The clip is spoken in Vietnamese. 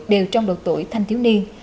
đều trong độ tuổi thanh thiếu niên